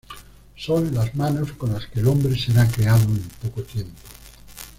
Son las manos con las que el hombre será creado en poco tiempo.